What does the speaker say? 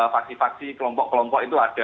faksi faksi kelompok kelompok itu ada